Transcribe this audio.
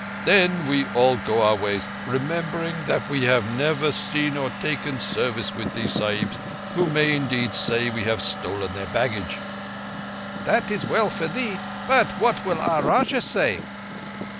Then we all go our ways, remembering that we have never seen or taken service with these Sahibs, who may, indeed, say that we have stolen their baggage." "That is well for thee, but what will our Rajah say?"